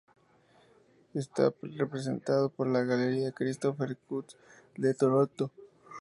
Está representado por la Galería Christopher Cutts de Toronto.